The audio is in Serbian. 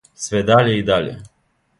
Све даље и даље.